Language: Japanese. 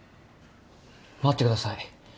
待ってください。